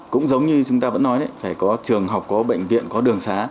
cũng giống như chúng ta vẫn nói phải có trường học có bệnh viện có đường xá